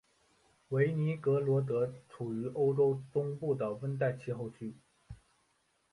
韦尼格罗德处于欧洲中部的温带气候区。